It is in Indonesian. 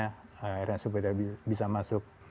karena sepeda bisa masuk